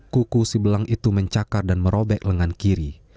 kuku si belang itu mencakar dan merobek lengan kiri